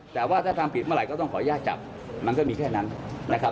แต่ว่าถ้าทำผิดเมื่อไหร่ก็ต้องขออนุญาตจับมันก็มีแค่นั้นนะครับ